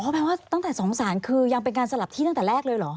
แปลว่าตั้งแต่๒ศาลคือยังเป็นการสลับที่ตั้งแต่แรกเลยเหรอ